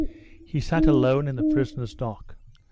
He sat alone in the prisoner's dock.